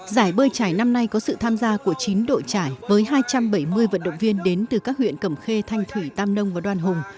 giải bơi trải năm nay có sự tham gia của chín đội trải với hai trăm bảy mươi vận động viên đến từ các huyện cẩm khê thanh thủy tam nông và đoàn hùng